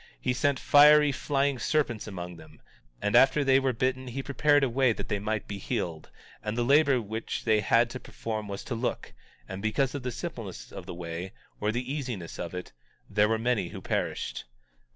He sent fiery flying serpents among them; and after they were bitten he prepared a way that they might be healed; and the labor which they had to perform was to look; and because of the simpleness of the way, or the easiness of it, there were many who perished.